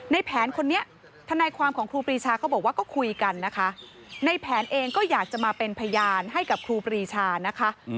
ในแผนคนนี้ทนายความของครูปรีชาเขาบอกว่าก็คุยกันนะคะในแผนเองก็อยากจะมาเป็นพยานให้กับครูปรีชานะคะ